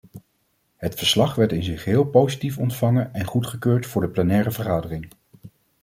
Het verslag werd in zijn geheel positief ontvangen en goedgekeurd voor de plenaire vergadering.